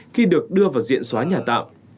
khi được đưa vào diện xóa nhà tạm